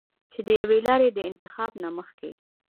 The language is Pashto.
چې د يوې لارې د انتخاب نه مخکښې